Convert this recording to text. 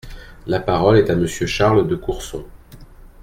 La parole est à Monsieur Charles de Courson.